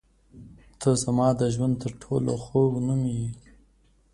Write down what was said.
• ته زما د ژوند تر ټولو خوږ نوم یې.